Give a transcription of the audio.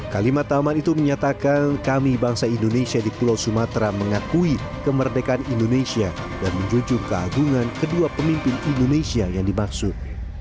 kalimat taman itu menyatakan kami bangsa indonesia di pulau sumatera mengakui kemerdekaan indonesia dan menjunjung keagungan kedua pemimpin indonesia yang dimaksud